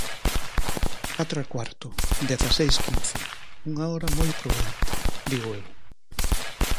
Catro e cuarto, dezaseis quince, unha hora moi prudente, ¡digo eu!